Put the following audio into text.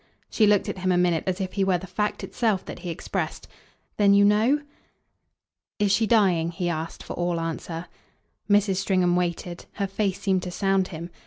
She looked at him a minute as if he were the fact itself that he expressed. "Then you know?" "Is she dying?" he asked for all answer. Mrs. Stringham waited her face seemed to sound him.